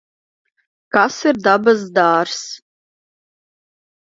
Kas ir dabas dārzs?